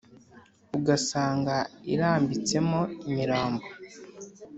Ugasanga irambitse mo imirambo